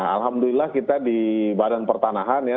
alhamdulillah kita di badan pertahanan